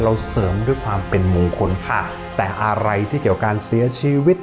เสริมด้วยความเป็นมงคลค่ะแต่อะไรที่เกี่ยวการเสียชีวิต